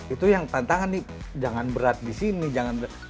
itu yang tantangan nih jangan berat di sini jangan berat